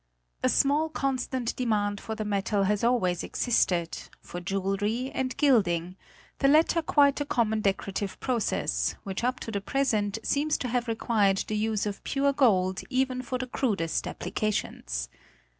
A small constant demand for the metal has always existed, for jewelry and gilding—the latter quite a common decorative process, which up to the present seems to have required the use of pure gold even for the crudest applications.